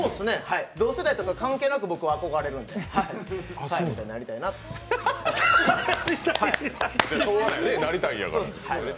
同世代とか関係なく、僕は憧れるんで、サーヤみたいになりたいなってるしようがないよね、なりたいんやから。